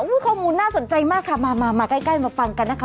ข้อมูลน่าสนใจมากค่ะมามาใกล้มาฟังกันนะคะ